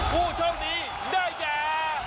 ผู้โชคดีได้แก่